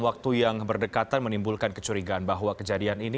lembaga setara institut merilis hasil risetnya bahwa sepanjang tahun dua ribu tujuh belas